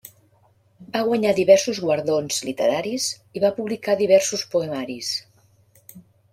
Va guanyar diversos guardons literaris i va publicar diversos poemaris.